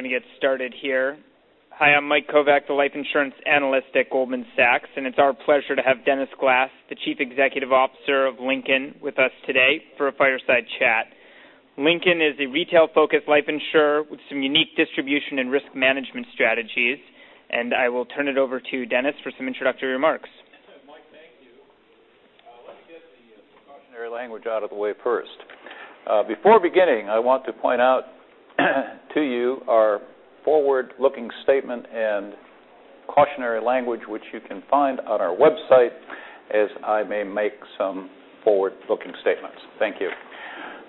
Right, we're going to get started here. Hi, I'm Mike Kovac, the life insurance analyst at Goldman Sachs, and it's our pleasure to have Dennis Glass, the Chief Executive Officer of Lincoln, with us today for a fireside chat. Lincoln is a retail-focused life insurer with some unique distribution and risk management strategies. I will turn it over to Dennis for some introductory remarks. Mike, thank you. Let me get the cautionary language out of the way first. Before beginning, I want to point out to you our forward-looking statement and cautionary language, which you can find on our website, as I may make some forward-looking statements. Thank you.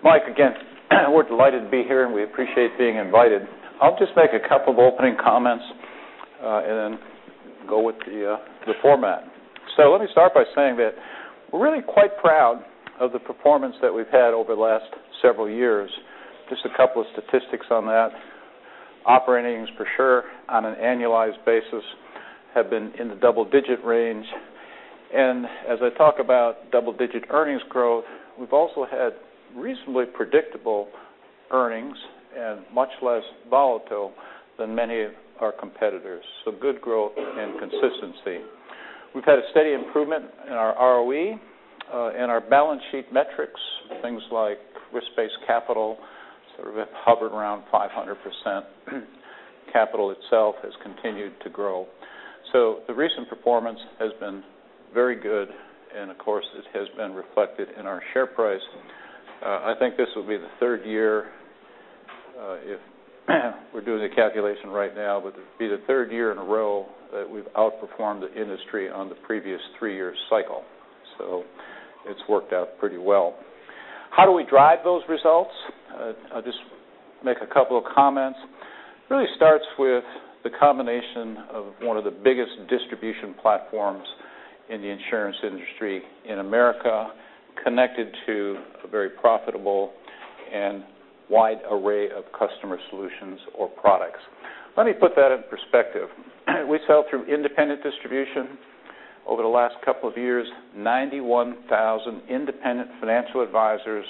Mike, again, we're delighted to be here, and we appreciate being invited. I'll just make a couple of opening comments, then go with the format. Let me start by saying that we're really quite proud of the performance that we've had over the last several years. Just a couple of statistics on that. Operating, for sure, on an annualized basis, have been in the double-digit range. As I talk about double-digit earnings growth, we've also had reasonably predictable earnings and much less volatile than many of our competitors. Good growth and consistency. We've had a steady improvement in our ROE and our balance sheet metrics, things like risk-based capital, sort of hovered around 500%. Capital itself has continued to grow. The recent performance has been very good, and of course, it has been reflected in our share price. I think this will be the third year, if we're doing the calculation right now, but it'd be the third year in a row that we've outperformed the industry on the previous three-year cycle. It's worked out pretty well. How do we drive those results? I'll just make a couple of comments. Really starts with the combination of one of the biggest distribution platforms in the insurance industry in America, connected to a very profitable and wide array of customer solutions or products. Let me put that in perspective. We sell through independent distribution. Over the last couple of years, 91,000 independent financial advisors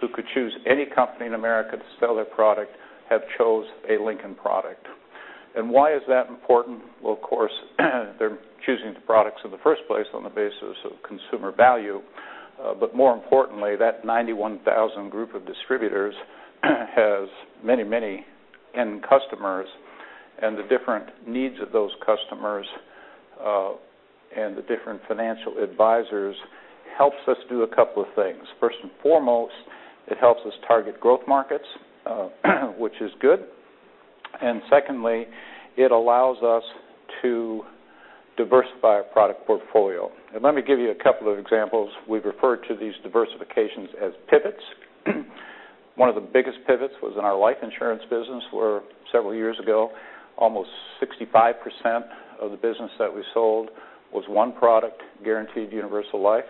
who could choose any company in America to sell their product have chose a Lincoln product. Why is that important? Well, of course, they're choosing the products in the first place on the basis of consumer value. More importantly, that 91,000 group of distributors has many end customers. The different needs of those customers, and the different financial advisors helps us do a couple of things. First and foremost, it helps us target growth markets, which is good. Secondly, it allows us to diversify our product portfolio. Let me give you a couple of examples. We've referred to these diversifications as pivots. One of the biggest pivots was in our life insurance business, where several years ago, almost 65% of the business that we sold was one product, guaranteed universal life.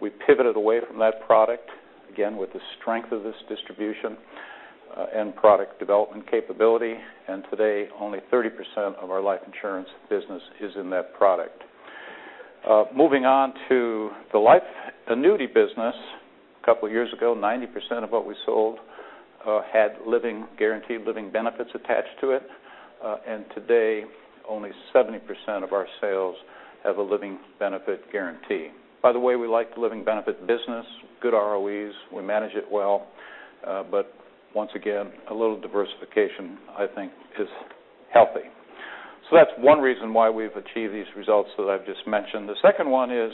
We pivoted away from that product, again, with the strength of this distribution and product development capability. Today only 30% of our life insurance business is in that product. Moving on to the life annuity business. A couple of years ago, 90% of what we sold had guaranteed living benefits attached to it. Today, only 70% of our sales have a living benefit guarantee. Once again, a little diversification, I think, is healthy. That's one reason why we've achieved these results that I've just mentioned. The second one is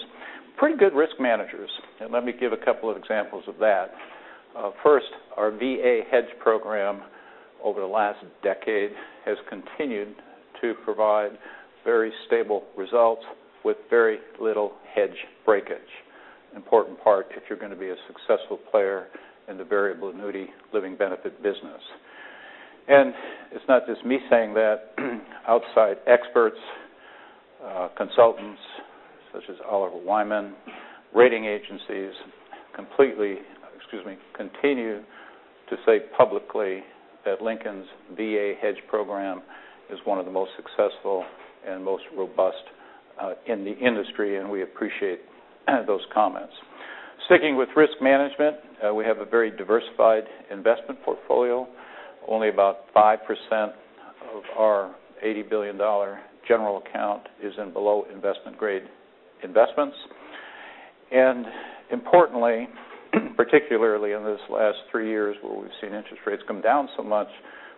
pretty good risk managers. Let me give a couple of examples of that. First, our VA hedge program over the last decade has continued to provide very stable results with very little hedge breakage. Important part if you're going to be a successful player in the variable annuity living benefit business. It's not just me saying that. Outside experts, consultants such as Oliver Wyman, rating agencies continue to say publicly that Lincoln's VA hedge program is one of the most successful and most robust in the industry, and we appreciate those comments. Sticking with risk management, we have a very diversified investment portfolio. Only about 5% of our $80 billion general account is in below investment grade investments. Importantly, particularly in this last three years where we've seen interest rates come down so much,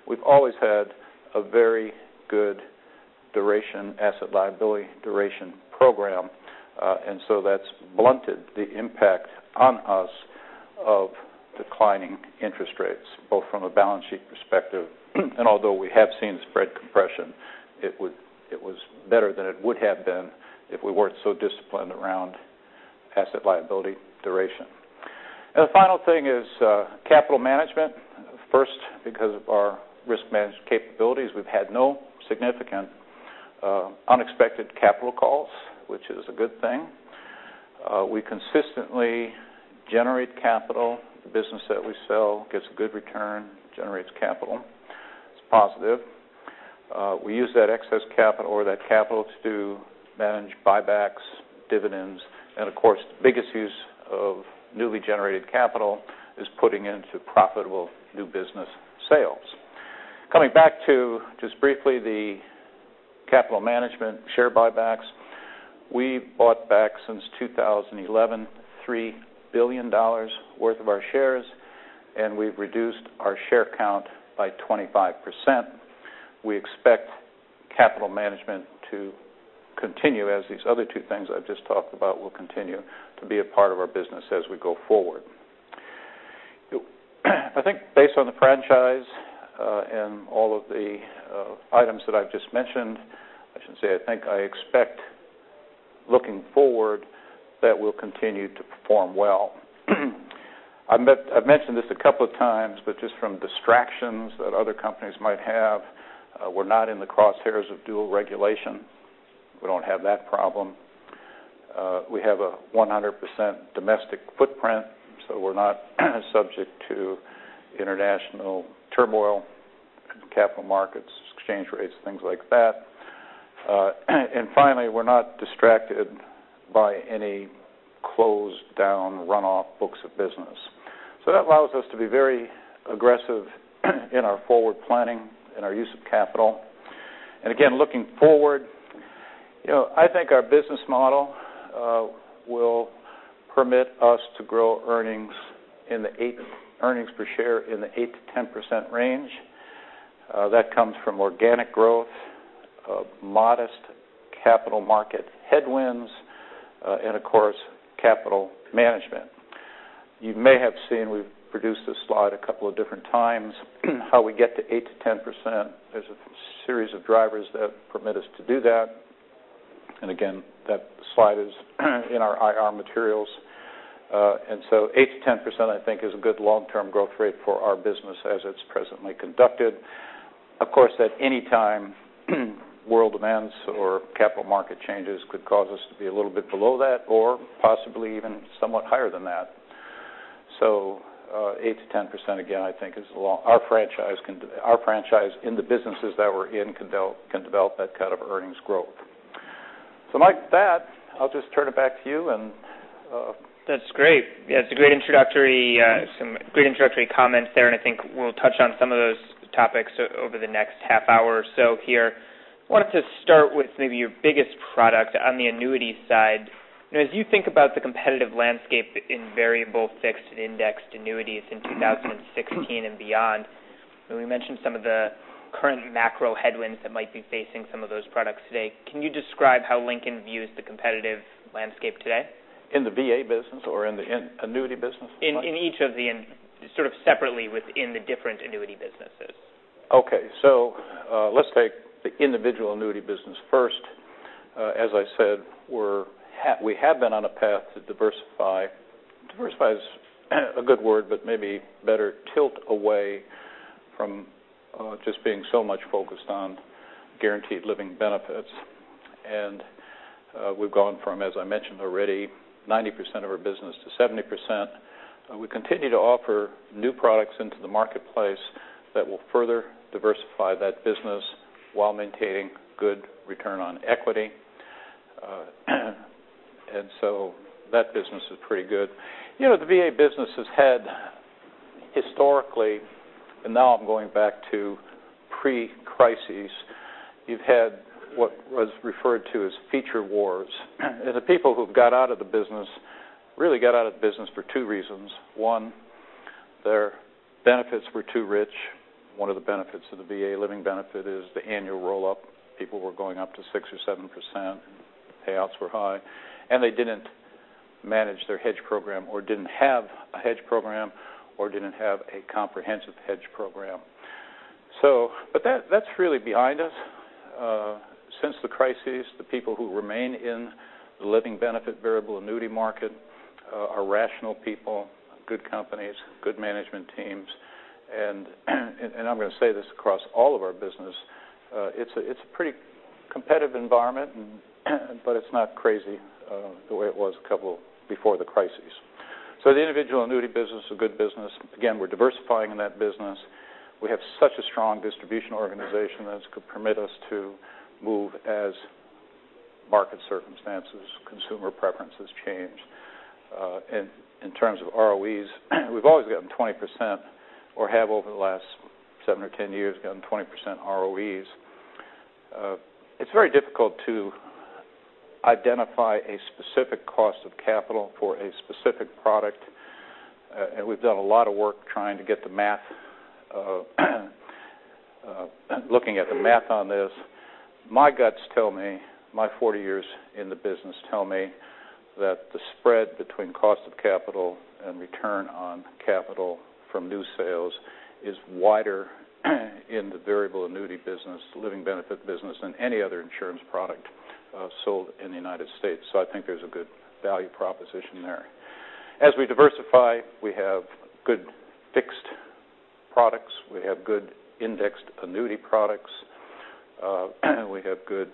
we've always had a very good duration asset liability, duration program. That's blunted the impact on us of declining interest rates, both from a balance sheet perspective, and although we have seen spread compression, it was better than it would have been if we weren't so disciplined around asset liability duration. The final thing is capital management. First, because of our risk management capabilities, we've had no significant unexpected capital calls, which is a good thing. We consistently generate capital. The business that we sell gets a good return, generates capital. It's positive. We use that excess capital or that capital to do managed buybacks, dividends, and of course, the biggest use of newly generated capital is putting into profitable new business sales. Coming back to, just briefly, the capital management share buybacks. We bought back, since 2011, $3 billion worth of our shares, and we've reduced our share count by 25%. We expect capital management to continue, as these other two things I've just talked about will continue to be a part of our business as we go forward. I think based on the franchise, and all of the items that I've just mentioned, I expect looking forward that we'll continue to perform well. I've mentioned this a couple of times, just from distractions that other companies might have, we're not in the crosshairs of dual regulation. We don't have that problem. We have a 100% domestic footprint, we're not subject to international turmoil, capital markets, exchange rates, things like that. Finally, we're not distracted by any closed down runoff books of business. That allows us to be very aggressive in our forward planning and our use of capital. Again, looking forward, I think our business model will permit us to grow earnings per share in the 8%-10% range. That comes from organic growth, modest capital market headwinds, and of course, capital management. You may have seen we've produced this slide a couple of different times, how we get to 8%-10%. There's a series of drivers that permit us to do that. Again, that slide is in our IR materials. 8%-10%, I think is a good long-term growth rate for our business as it's presently conducted. Of course, at any time, world events or capital market changes could cause us to be a little bit below that or possibly even somewhat higher than that. 8%-10%, again, I think our franchise in the businesses that we're in can develop that kind of earnings growth. With that, I'll just turn it back to you. That's great. Yeah, some great introductory comments there, and I think we'll touch on some of those topics over the next half hour or so here. Wanted to start with maybe your biggest product on the annuity side. As you think about the competitive landscape in variable fixed and indexed annuities in 2016 and beyond, and we mentioned some of the current macro headwinds that might be facing some of those products today, can you describe how Lincoln views the competitive landscape today? In the VA business or in the annuity business? In each of the sort of separately within the different annuity businesses. Okay. Let's take the individual annuity business first. As I said, we have been on a path to diversify. Diversify is a good word, but maybe better tilt away from just being so much focused on guaranteed living benefits. We've gone from, as I mentioned already, 90% of our business to 70%. We continue to offer new products into the marketplace that will further diversify that business while maintaining good return on equity. That business is pretty good. The VA business has had historically, and now I'm going back to pre-crisis, you've had what was referred to as feature wars. The people who got out of the business really got out of the business for two reasons. One, their benefits were too rich. One of the benefits of the VA living benefit is the annual roll-up. People were going up to 6% or 7%, payouts were high, they didn't manage their hedge program or didn't have a hedge program, or didn't have a comprehensive hedge program. That's really behind us. Since the crisis, the people who remain in the living benefit variable annuity market are rational people, good companies, good management teams. I'm going to say this across all of our business. It's a pretty competitive environment, but it's not crazy the way it was before the crisis. The individual annuity business is a good business. Again, we're diversifying in that business. We have such a strong distribution organization that it's going to permit us to move as market circumstances, consumer preferences change. In terms of ROEs, we've always gotten 20% or have over the last seven or 10 years gotten 20% ROEs. It's very difficult to identify a specific cost of capital for a specific product. We've done a lot of work trying to get the math, looking at the math on this. My guts tell me, my 40 years in the business tell me that the spread between cost of capital and return on capital from new sales is wider in the variable annuity business, living benefit business, than any other insurance product sold in the U.S. I think there's a good value proposition there. As we diversify, we have good fixed products. We have good indexed annuity products. We have good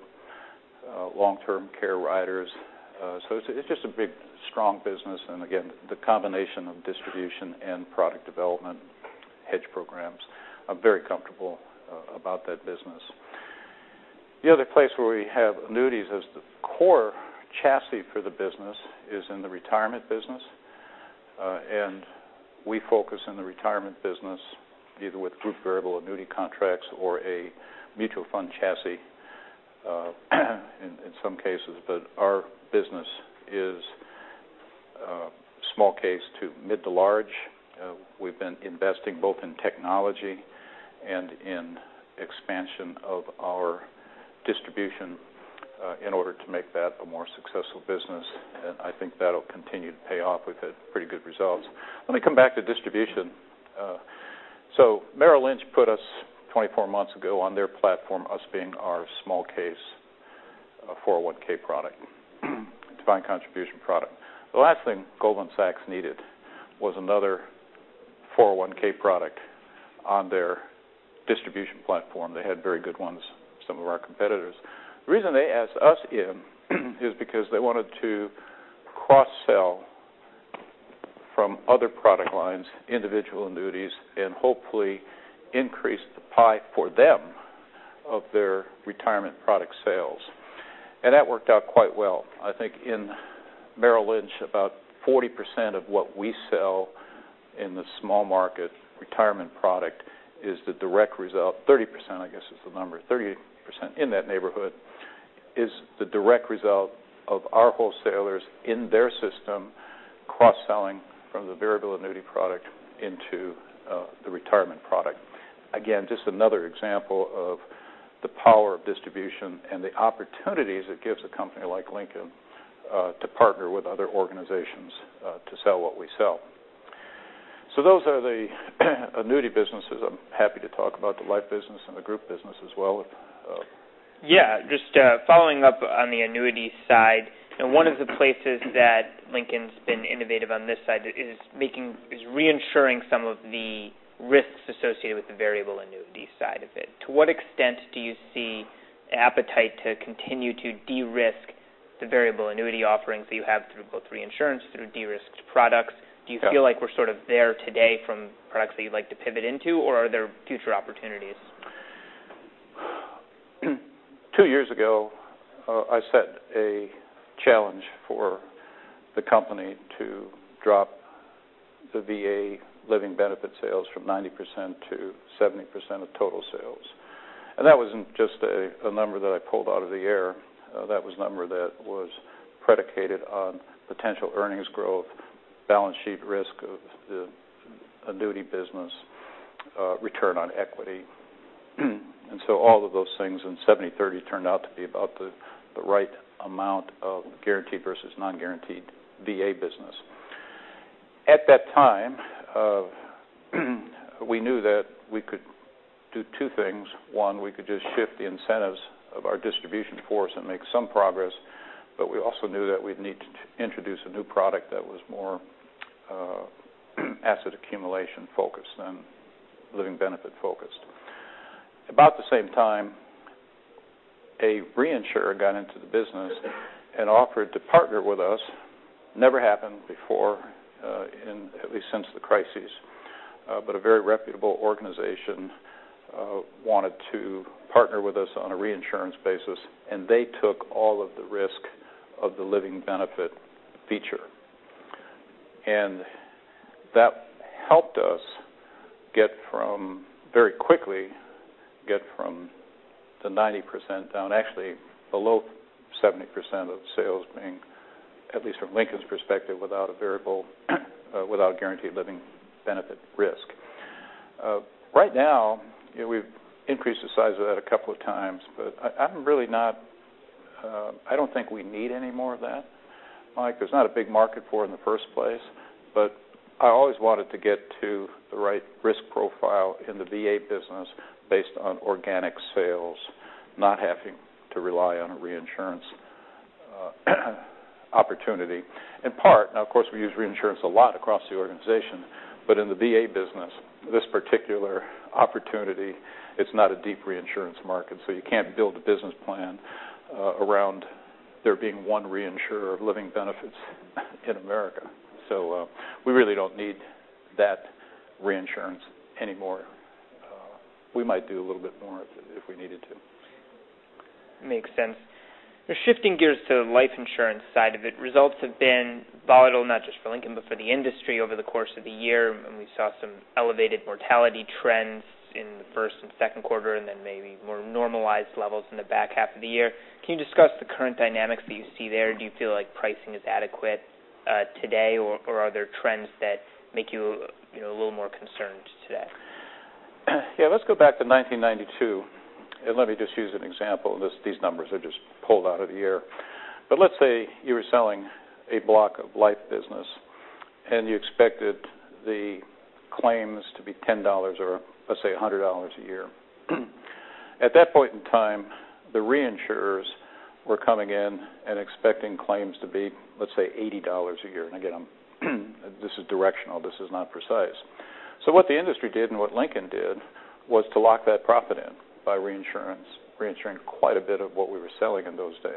Long-term care riders. It's just a big, strong business, again, the combination of distribution and product development hedge programs. I'm very comfortable about that business. The other place where we have annuities as the core chassis for the business is in the retirement business. We focus on the retirement business either with group variable annuity contracts or a mutual fund chassis in some cases. Our business is small case to mid to large. We've been investing both in technology and in expansion of our distribution in order to make that a more successful business. I think that'll continue to pay off with pretty good results. Let me come back to distribution. Merrill Lynch put us, 24 months ago, on their platform, us being our small case 401 product. Defined contribution product. The last thing Goldman Sachs needed was another 401 product on their distribution platform. They had very good ones, some of our competitors. The reason they asked us in is because they wanted to cross-sell from other product lines, individual annuities, and hopefully increase the pie for them of their retirement product sales. That worked out quite well. I think in Merrill Lynch, about 40% of what we sell in the small market retirement product is the direct result, 30%, I guess is the number. 30%, in that neighborhood, is the direct result of our wholesalers in their system cross-selling from the variable annuity product into the retirement product. Again, just another example of the power of distribution and the opportunities it gives a company like Lincoln to partner with other organizations to sell what we sell. Those are the annuity businesses. I'm happy to talk about the life business and the group business as well. Yeah, just following up on the annuity side. One of the places that Lincoln's been innovative on this side is reinsuring some of the risks associated with the variable annuity side of it. To what extent do you see appetite to continue to de-risk the variable annuity offerings that you have through both reinsurance, through de-risked products? Yeah. Do you feel like we're sort of there today from products that you'd like to pivot into, or are there future opportunities? Two years ago, I set a challenge for the company to drop the VA living benefit sales from 90% to 70% of total sales. That wasn't just a number that I pulled out of the air. That was a number that was predicated on potential earnings growth, balance sheet risk of the annuity business, return on equity. All of those things, and 70/30 turned out to be about the right amount of guaranteed versus non-guaranteed VA business. At that time, we knew that we could do two things. One, we could just shift the incentives of our distribution force and make some progress, but we also knew that we'd need to introduce a new product that was more asset accumulation focused than living benefit focused. About the same time, a reinsurer got into the business and offered to partner with us. Never happened before, at least since the crisis. A very reputable organization wanted to partner with us on a reinsurance basis, and they took all of the risk of the living benefit feature. That helped us, very quickly, get from the 90% down, actually below 70% of sales being, at least from Lincoln's perspective, without guaranteed living benefit risk. Right now, we've increased the size of that a couple of times, but I don't think we need any more of that. Mike, there's not a big market for it in the first place, but I always wanted to get to the right risk profile in the VA business based on organic sales, not having to rely on a reinsurance opportunity. In part, now of course, we use reinsurance a lot across the organization, but in the VA business, this particular opportunity, it's not a deep reinsurance market, so you can't build a business plan around there being one reinsurer of living benefits in America. We really don't need that reinsurance anymore. We might do a little bit more if we needed to. Makes sense. Shifting gears to life insurance side of it, results have been volatile, not just for Lincoln but for the industry over the course of the year. We saw some elevated mortality trends in the first and second quarter, and then maybe more normalized levels in the back half of the year. Can you discuss the current dynamics that you see there? Do you feel like pricing is adequate today, or are there trends that make you a little more concerned today? Yeah. Let's go back to 1992. Let me just use an example. These numbers are just pulled out of the air. Let's say you were selling a block of life business and you expected the claims to be $10 or let's say $100 a year. At that point in time, the reinsurers were coming in and expecting claims to be, let's say, $80 a year. Again, this is directional. This is not precise. What the industry did, and what Lincoln did, was to lock that profit in by reinsurance, reinsuring quite a bit of what we were selling in those days.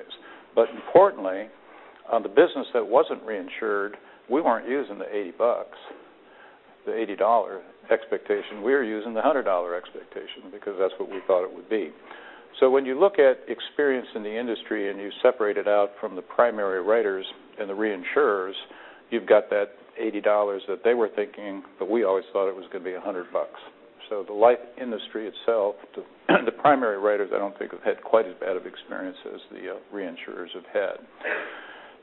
Importantly, on the business that wasn't reinsured, we weren't using the $80 expectation. We were using the $100 expectation because that's what we thought it would be. When you look at experience in the industry, and you separate it out from the primary writers and the reinsurers, you've got that $80 that they were thinking, but we always thought it was going to be $100. The life industry itself, the primary writers I don't think have had quite as bad of experience as the reinsurers have had.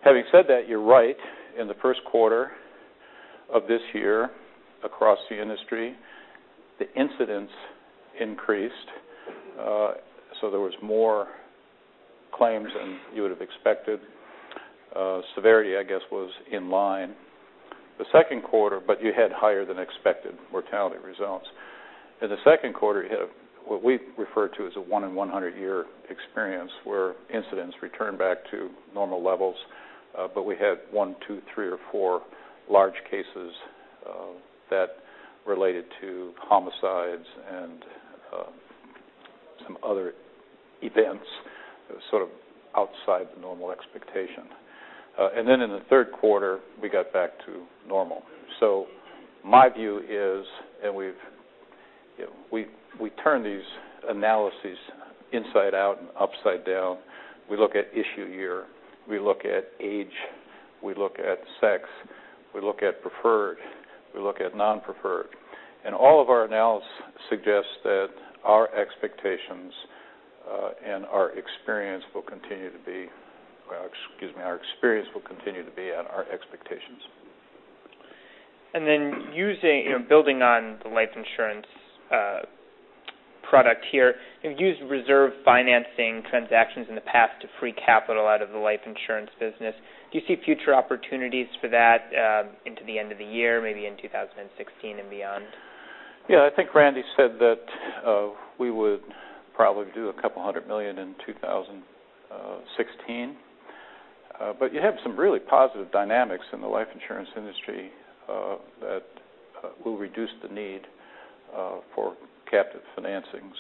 Having said that, you're right. In the first quarter of this year, across the industry, the incidents increased, so there was more claims than you would have expected. Severity, I guess, was in line. The second quarter, you had higher than expected mortality results. In the second quarter, you have what we refer to as a one in 100 year experience, where incidents return back to normal levels. We had one, two, three, or four large cases that related to homicides and some other events sort of outside the normal expectation. In the third quarter, we got back to normal. My view is, and we turn these analyses inside out and upside down. We look at issue year, we look at age, we look at sex, we look at preferred, we look at non-preferred. All of our analysis suggests that our expectations and our experience will continue to be at our expectations. Building on the Life insurance product here, you've used reserve financing transactions in the past to free capital out of the Life insurance business. Do you see future opportunities for that into the end of the year, maybe in 2016 and beyond? I think Randy said that we would probably do $200 million in 2016. You have some really positive dynamics in the life insurance industry that will reduce the need for captive financings.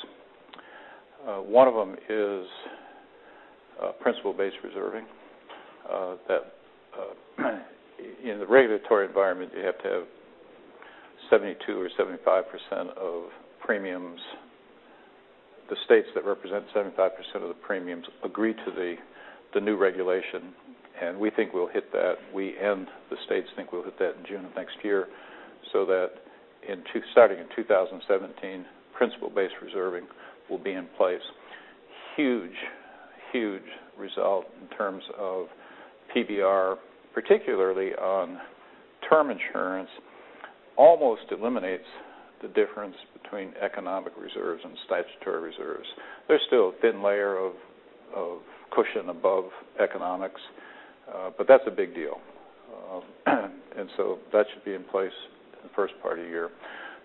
One of them is principle-based reserving. That in the regulatory environment, you have to have 72% or 75% of premiums. The states that represent 75% of the premiums agree to the new regulation, and we think we'll hit that. We and the states think we'll hit that in June of next year, so that starting in 2017, principle-based reserving will be in place. Huge result in terms of PBR, particularly on term insurance. Almost eliminates the difference between economic reserves and statutory reserves. There's still a thin layer of cushion above economics. That's a big deal. That should be in place in the first part of the year.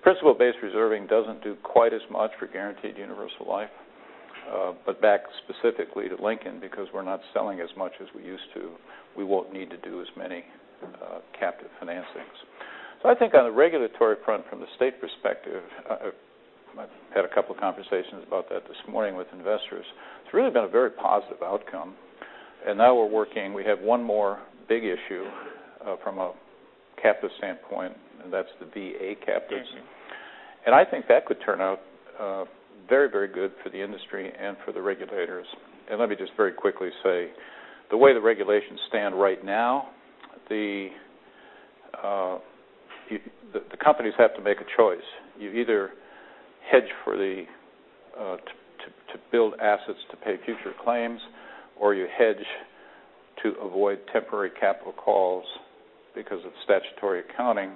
Principle-based reserving doesn't do quite as much for guaranteed universal life. Back specifically to Lincoln, because we're not selling as much as we used to, we won't need to do as many captive financings. I think on the regulatory front, from the state perspective, I had a couple conversations about that this morning with investors. It's really been a very positive outcome. Now we're working. We have one more big issue from a captive standpoint, that's the VA captives. VA. I think that could turn out very good for the industry and for the regulators. Let me just very quickly say, the way the regulations stand right now, the companies have to make a choice. You either hedge to build assets to pay future claims, or you hedge to avoid temporary capital calls because of statutory accounting.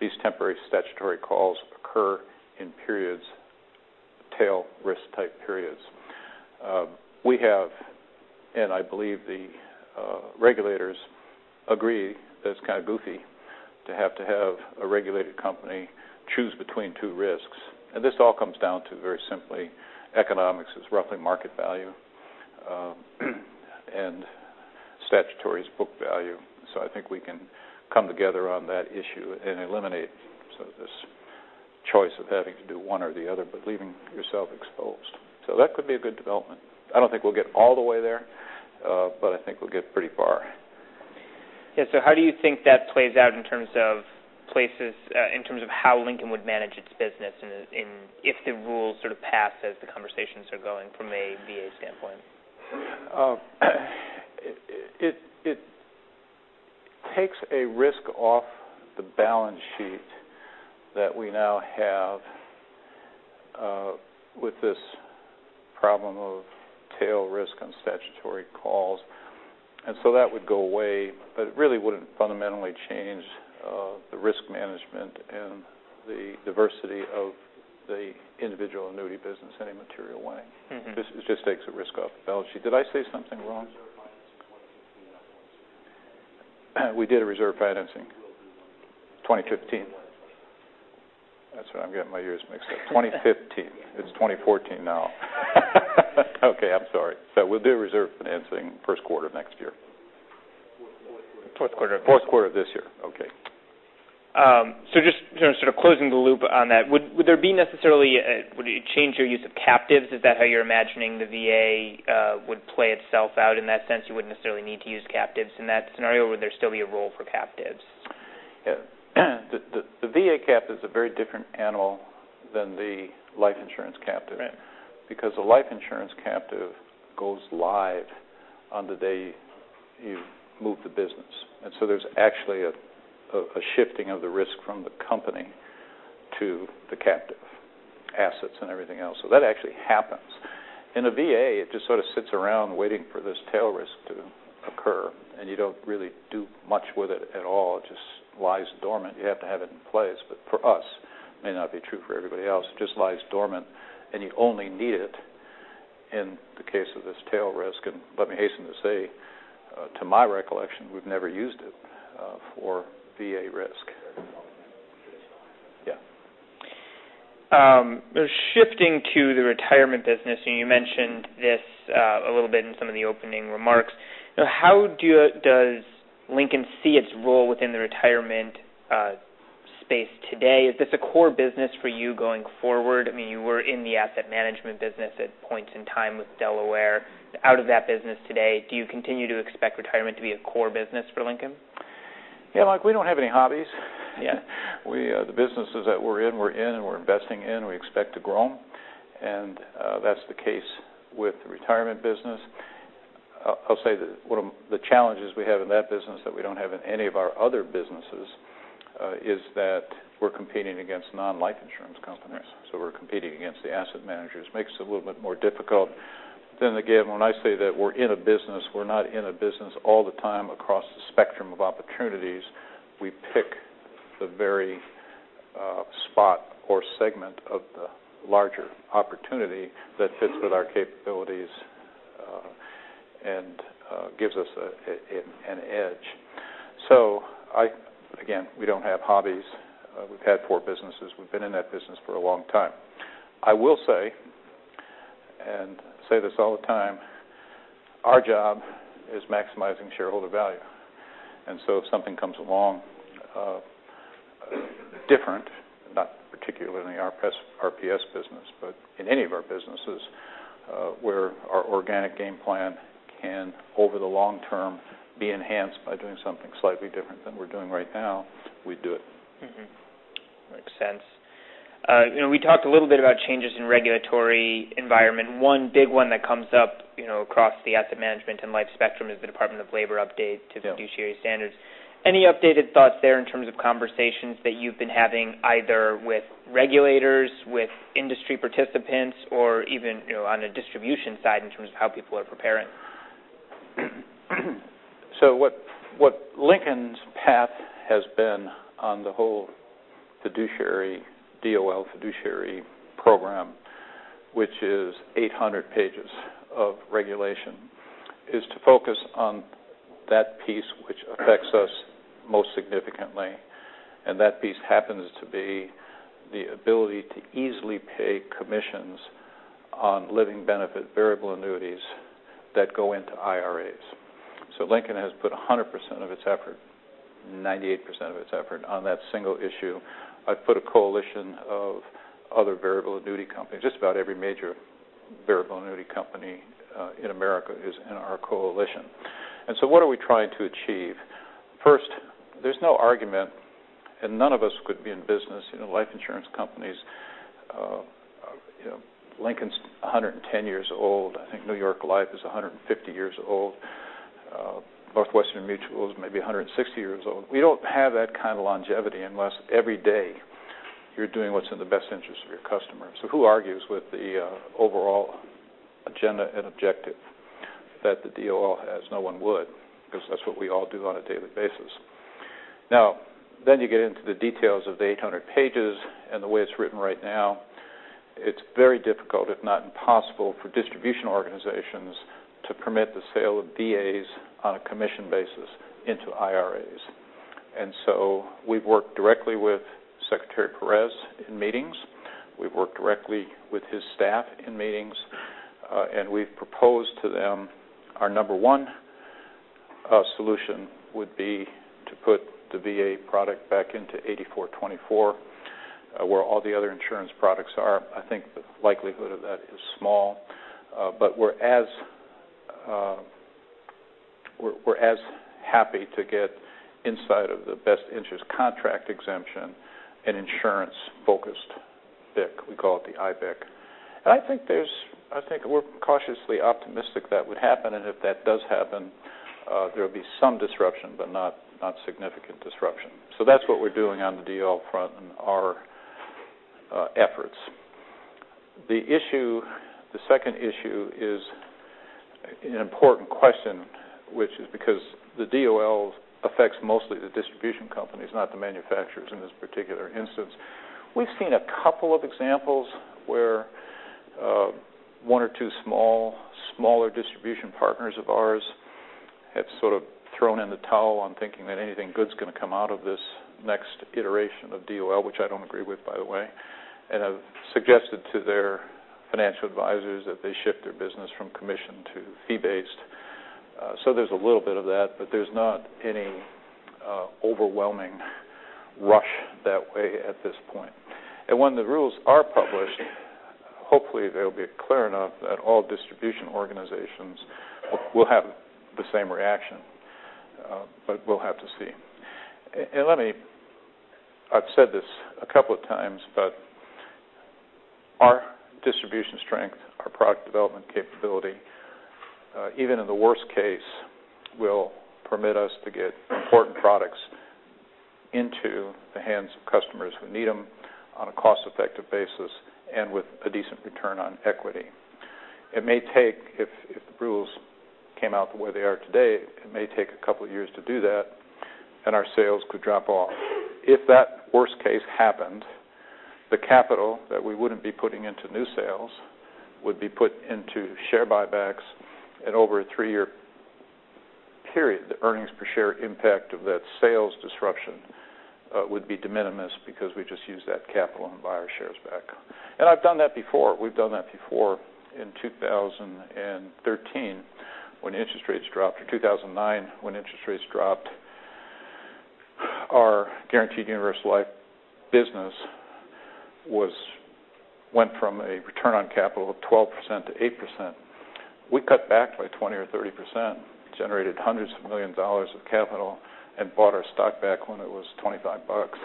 These temporary statutory calls occur in periods, tail risk type periods. We have, and I believe the regulators agree that it's kind of goofy to have to have a regulated company choose between two risks. This all comes down to, very simply, economics is roughly market value, and statutory is book value. I think we can come together on that issue and eliminate this choice of having to do one or the other, but leaving yourself exposed. That could be a good development. I don't think we'll get all the way there. I think we'll get pretty far. Yeah. How do you think that plays out in terms of how Lincoln would manage its business, and if the rules sort of pass as the conversations are going from a VA standpoint? It takes a risk off the balance sheet that we now have with this problem of tail risk and statutory calls. That would go away, but it really wouldn't fundamentally change the risk management and the diversity of the individual annuity business in a material way. This just takes a risk off the balance sheet. Did I say something wrong? Reserve financing 2015 We did a reserve financing. You will do one. 2015? That's right. I'm getting my years mixed up. 2015. Yeah. It's 2014 now. Okay. I'm sorry. We'll do a reserve financing first quarter of next year. Fourth quarter of this year. Fourth quarter of this year. Okay. Just sort of closing the loop on that, would it change your use of captives? Is that how you're imagining the VA would play itself out? In that sense, you wouldn't necessarily need to use captives in that scenario. Would there still be a role for captives? Yeah. The VA captive is a very different animal than the life insurance captive. Right. A life insurance captive goes live on the day you move the business. There's actually a shifting of the risk from the company to the captive assets and everything else. That actually happens. In a VA, it just sort of sits around waiting for this tail risk to occur, and you don't really do much with it at all. It just lies dormant. You have to have it in place. For us, it may not be true for everybody else, it just lies dormant, and you only need it in the case of this tail risk. Let me hasten to say, to my recollection, we've never used it for VA risk. Yeah. Shifting to the retirement business, you mentioned this a little bit in some of the opening remarks. How does Lincoln see its role within the retirement space today? Is this a core business for you going forward? You were in the asset management business at points in time with Delaware Investments. Out of that business today, do you continue to expect retirement to be a core business for Lincoln? Yeah, Mike, we don't have any hobbies. Yeah. The businesses that we're in, we're in, and we're investing in, we expect to grow, and that's the case with the retirement business. I'll say that one of the challenges we have in that business that we don't have in any of our other businesses, is that we're competing against non-life insurance companies. Right. We're competing against the asset managers. Makes it a little bit more difficult. Again, when I say that we're in a business, we're not in a business all the time across the spectrum of opportunities. We pick the very spot or segment of the larger opportunity that fits with our capabilities, and gives us an edge. Again, we don't have hobbies. We've had four businesses. We've been in that business for a long time. I will say, and I say this all the time, our job is maximizing shareholder value. If something comes along different, not particularly in the RPS business, but in any of our businesses, where our organic game plan can, over the long term, be enhanced by doing something slightly different than we're doing right now, we do it. Makes sense. We talked a little bit about changes in regulatory environment. One big one that comes up across the asset management and life spectrum is the Department of Labor update. Yeah fiduciary standards. Any updated thoughts there in terms of conversations that you've been having, either with regulators, with industry participants, or even on the distribution side in terms of how people are preparing? What Lincoln's path has been on the whole fiduciary, DOL fiduciary program, which is 800 pages of regulation, is to focus on that piece which affects us most significantly, and that piece happens to be the ability to easily pay commissions on living benefit variable annuities that go into IRAs. Lincoln has put 100% of its effort, 98% of its effort on that single issue. I've put a coalition of other variable annuity companies. Just about every major variable annuity company in America is in our coalition. What are we trying to achieve? First, there's no argument, none of us could be in business. Life insurance companies, Lincoln's 110 years old. I think New York Life is 150 years old. Northwestern Mutual is maybe 160 years old. We don't have that kind of longevity unless every day you're doing what's in the best interest of your customer. Who argues with the overall agenda and objective that the DOL has? No one would, because that's what we all do on a daily basis. You get into the details of the 800 pages, and the way it's written right now, it's very difficult, if not impossible, for distribution organizations to permit the sale of VAs on a commission basis into IRAs. We've worked directly with Secretary Perez in meetings. We've worked directly with his staff in meetings, and we've proposed to them our number 1 solution would be to put the VA product back into 8424, where all the other insurance products are. I think the likelihood of that is small. We're as happy to get inside of the Best Interest Contract Exemption and insurance-focused BIC. We call it the IBIC. I think we're cautiously optimistic that would happen, and if that does happen, there'll be some disruption, but not significant disruption. That's what we're doing on the DOL front and our efforts. The second issue is an important question, which is because the DOL affects mostly the distribution companies, not the manufacturers in this particular instance. We've seen a couple of examples where one or two smaller distribution partners of ours have sort of thrown in the towel on thinking that anything good's going to come out of this next iteration of DOL, which I don't agree with, by the way. Have suggested to their financial advisors that they shift their business from commission to fee-based. There's a little bit of that, but there's not any overwhelming rush that way at this point. When the rules are published, hopefully they'll be clear enough that all distribution organizations will have the same reaction, but we'll have to see. I've said this a couple of times, but our distribution strength, our product development capability, even in the worst case, will permit us to get important products into the hands of customers who need them on a cost-effective basis and with a decent Return on Equity. If the rules came out the way they are today, it may take a couple of years to do that, and our sales could drop off. If that worst case happened, the capital that we wouldn't be putting into new sales would be put into share buybacks. Over a three-year period, the earnings per share impact of that sales disruption would be de minimis because we just used that capital and buy our shares back. I've done that before. We've done that before. In 2013, when interest rates dropped, or 2009 when interest rates dropped, our Guaranteed Universal Life business went from a return on capital of 12% to 8%. We cut back by 20% or 30%, generated hundreds of millions of dollars of capital, and bought our stock back when it was $25 bucks.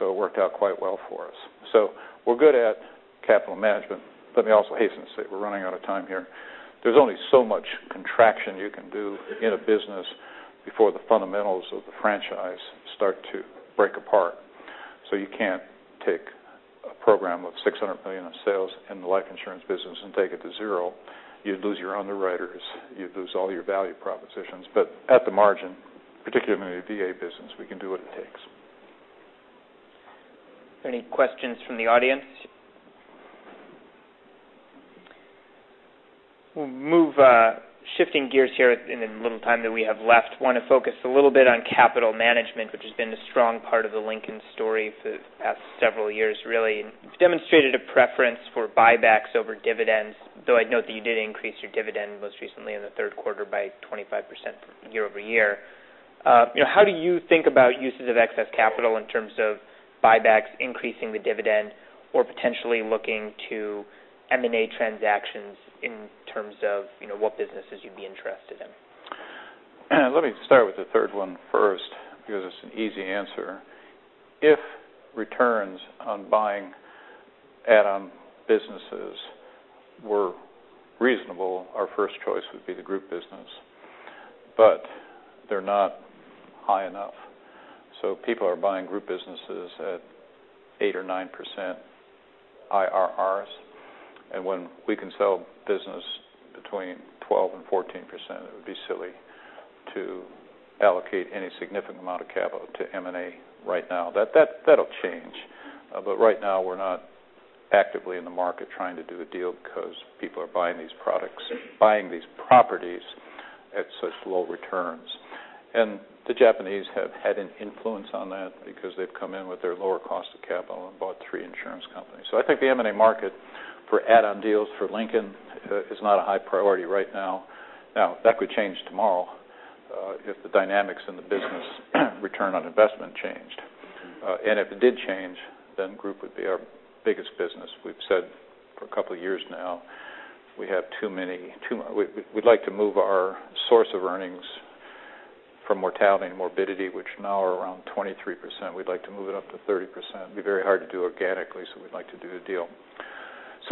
It worked out quite well for us. We're good at capital management. Let me also hasten to say we're running out of time here. There's only so much contraction you can do in a business before the fundamentals of the franchise start to break apart. You can't take a program of $600 million of sales in the Life Insurance business and take it to zero. You'd lose your underwriters. You'd lose all your value propositions. But at the margin, particularly in the VA business, we can do what it takes. Any questions from the audience? We'll move, shifting gears here in the little time that we have left. Want to focus a little bit on capital management, which has been a strong part of the Lincoln story for the past several years, really. Demonstrated a preference for buybacks over dividends, though I'd note that you did increase your dividend most recently in the third quarter by 25% year-over-year. How do you think about uses of excess capital in terms of buybacks, increasing the dividend, or potentially looking to M&A transactions in terms of what businesses you'd be interested in? Let me start with the third one first, because it's an easy answer. If returns on buying add-on businesses were reasonable, our first choice would be the group business. They're not high enough. People are buying group businesses at 8% or 9% IRRs. When we can sell business between 12% and 14%, it would be silly to allocate any significant amount of capital to M&A right now. That'll change. Right now, we're not actively in the market trying to do a deal because people are buying these properties at such low returns. The Japanese have had an influence on that because they've come in with their lower cost of capital and bought three insurance companies. I think the M&A market for add-on deals for Lincoln is not a high priority right now. That could change tomorrow if the dynamics in the business return on investment changed. If it did change, group would be our biggest business. We've said for a couple of years now, we'd like to move our source of earnings from mortality and morbidity, which now are around 23%. We'd like to move it up to 30%. It'd be very hard to do organically, we'd like to do a deal.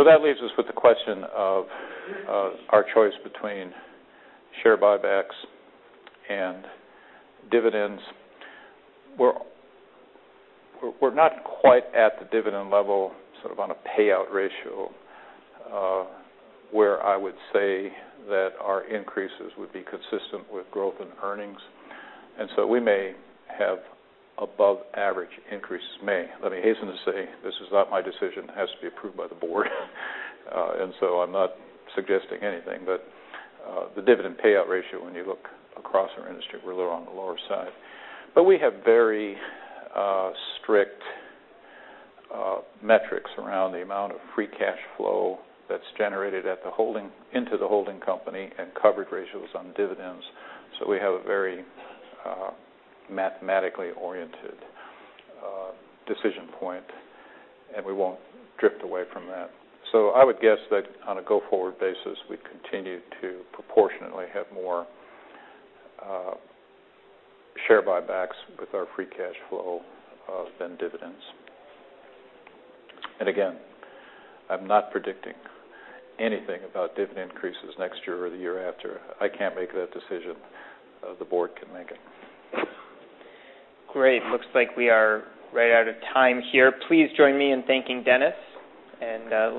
That leaves us with the question of our choice between share buybacks and dividends. We're not quite at the dividend level on a payout ratio, where I would say that our increases would be consistent with growth and earnings. We may have above-average increases. May. Let me hasten to say, this is not my decision. It has to be approved by the board. I'm not suggesting anything. The dividend payout ratio, when you look across our industry, we're a little on the lower side. We have very strict metrics around the amount of free cash flow that's generated into the holding company and coverage ratios on dividends. We have a very mathematically oriented decision point, and we won't drift away from that. I would guess that on a go-forward basis, we'd continue to proportionately have more share buybacks with our free cash flow than dividends. Again, I'm not predicting anything about dividend increases next year or the year after. I can't make that decision. The board can make it. Great. Looks like we are right out of time here. Please join me in thanking Dennis and Lincoln-